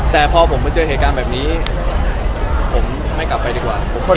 แต่พอผมมาเจอเหตุการณ์แบบนี้ผมไม่กลับไปดีกว่า